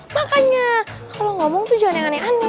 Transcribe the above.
makanya kalo ngomong tuh jangan yang aneh aneh